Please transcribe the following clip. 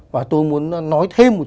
và tôi muốn nói thêm một cái